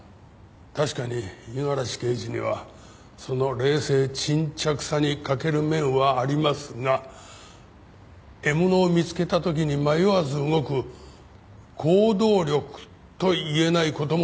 確かに五十嵐刑事にはその冷静沈着さに欠ける面はありますが獲物を見つけた時に迷わず動く行動力と言えない事もない。